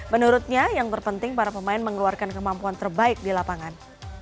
menurutnya yang terpenting para pemain mengeluarkan kemampuan terbaik di lapangan